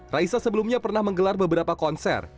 raisa sebelumnya pernah menggelar beberapa konser